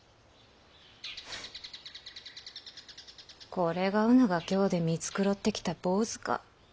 これがうぬが京で見繕ってきた坊主か。